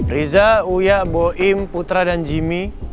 riza uya boim putra dan jimmy